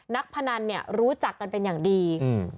นักพนันรู้จักกันเป็นอย่างดี